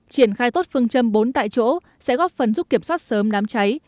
triển khai tốt phương châm bốn tại chỗ sẽ góp phần giúp kiểm soát sớm đám cháy